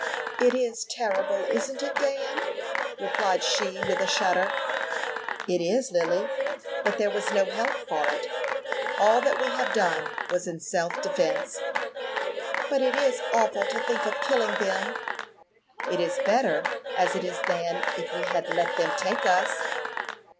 "It is terrible isn't it, Dan?" replied she, with a shudder. "It is, Lily; but there was no help for it. All that we have done was in self defence." "But it is awful to think of killing them." "It is better as it is than if we had let them take us."